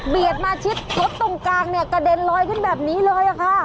มาชิดรถตรงกลางเนี่ยกระเด็นลอยขึ้นแบบนี้เลยค่ะ